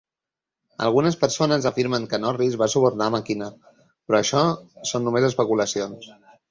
Algunes persones afirmen que Norris va subornar McKenna, però això són només especulacions.